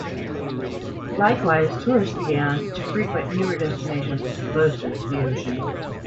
Likewise, tourists began to frequent newer destinations closer to the ocean.